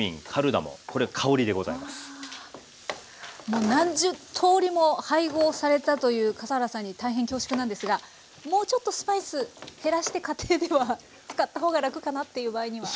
もう何十通りも配合されたという笠原さんに大変恐縮なんですがもうちょっとスパイス減らして家庭では使ったほうが楽かなっていう場合には？